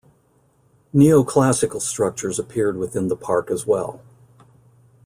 Neoclassical structures appeared within the park as well.